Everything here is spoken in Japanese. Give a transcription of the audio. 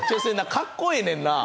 かっこええねんな。